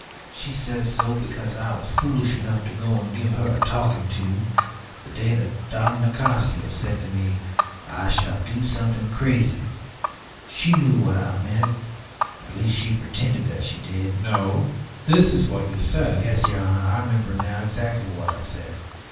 She says so, because I was foolish enough to go and give her a talking to, the day that Don Nicasio said to me, 'I shall do something crazy!' She knew what I meant, at least she pretended that she did." "No; this was what you said " "Yes, your honor, I remember now exactly what I said.